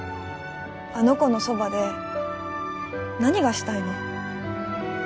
あの子のそばで何がしたいの？